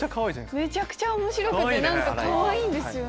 めちゃくちゃ面白くてかわいいですね。